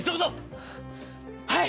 はい！